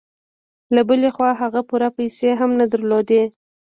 له بلې خوا هغه پوره پيسې هم نه درلودې.